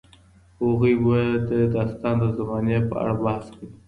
هغوی به د داستان د زمانې په اړه بحث کوي.